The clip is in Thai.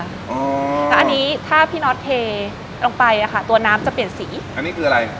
แล้วอันนี้ถ้าพี่น็อตเทลงไปอ่ะค่ะตัวน้ำจะเปลี่ยนสีอันนี้คืออะไร